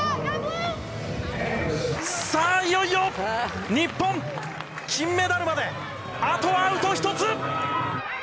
さあいよいよ日本金メダルまであとアウト１つ！